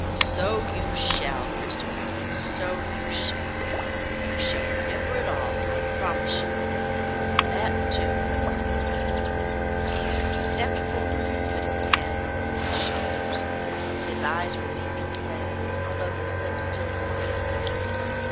"So you shall, Christopher, so you shall! And you shall remember it all, I promise you. That too, you can have." He stepped forward and put his hands on the boy's shoulders. His eyes were deeply sad although his lips still smiled.